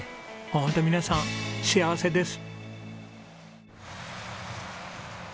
ホント皆さん幸せです。